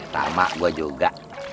tama gua juga